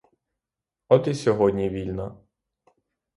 От і сьогодні вільна.